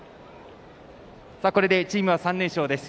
これでチームは３連勝です。